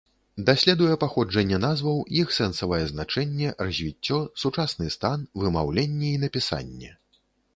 Даследуе паходжанне назваў, іх сэнсавае значэнне, развіццё, сучасны стан, вымаўленне і напісанне.